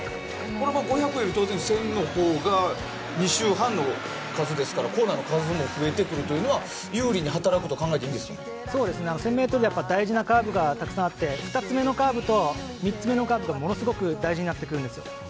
５００より当然１０００のほうが２周半ですからコーナーの数も増えてくるというのは有利に働くと１０００ｍでは大事なカーブがたくさんあって２つ目のカーブと３つ目のカーブがものすごく大事になってくるんです。